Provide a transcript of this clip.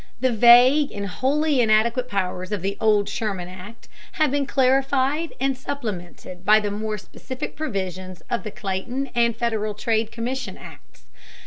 The vague and wholly inadequate powers of the old Sherman Act have been clarified and supplemented by the more specific provisions of the Clayton and Federal Trade Commission Acts.